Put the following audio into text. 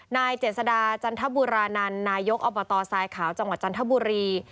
นายเจษดาจันทบุรีรานันต์นายกอบตทรายขาวจังหวัดจันทบุรี